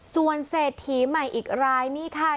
ส่วนเศรษฐีใหม่อีกรายนี่ค่ะ